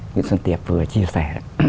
nguyễn xuân tiệp vừa chia sẻ